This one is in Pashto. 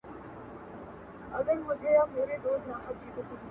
کله زموږ کله د بل سي کله ساد سي کله غل سي!.